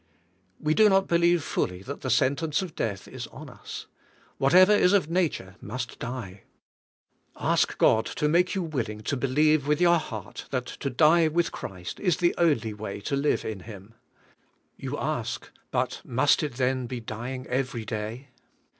We do not believe fully that the sentence of death is on us. Whatever is of nature must die. Ask God to make you willing to believe with your heart tha* to die with Christ is the only way to CHRTST OUR LIFE 81 live in Him. You ask, "But must it then be dy ing every day?"